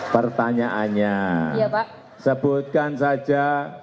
pertanyaannya sebutkan saja